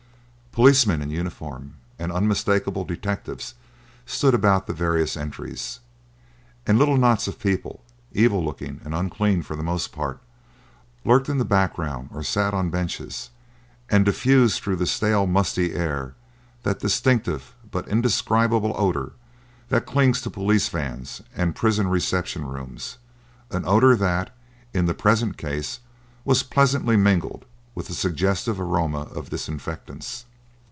Policemen in uniform and unmistakable detectives stood about the various entries, and little knots of people, evil looking and unclean for the most part, lurked in the background or sat on benches and diffused through the stale, musty air that distinctive but indescribable odour that clings to police vans and prison reception rooms; an odour that, in the present case, was pleasantly mingled with the suggestive aroma of disinfectants.